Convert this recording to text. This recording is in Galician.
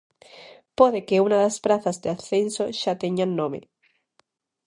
Pode que unha das prazas de ascenso xa teñan nome.